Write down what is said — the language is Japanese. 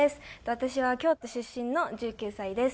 私は京都出身の１９歳です。